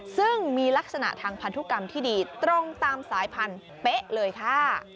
ซึ่งมีลักษณะทางพันธุกรรมที่ดีตรงตามสายพันธุ์เป๊ะเลยค่ะ